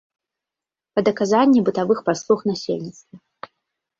Пад аказанне бытавых паслуг насельніцтву.